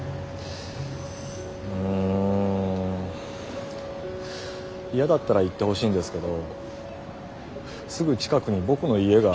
ん嫌だったら言ってほしいんですけどすぐ近くに僕の家が。